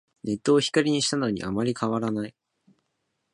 ネットを光にしたのにあんまり変わらない